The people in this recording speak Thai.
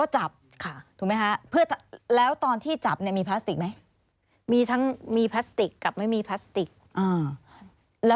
ใช่ไหมเราจำตรงกันนะคะ